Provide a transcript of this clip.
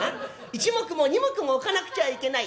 一目も二目も置かなくちゃいけない。